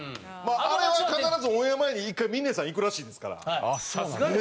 あれは必ずオンエア前に１回峰さん行くらしいですから。